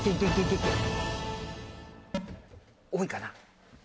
多いかな？